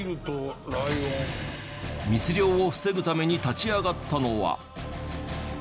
密猟を防ぐために立ち上がったのは。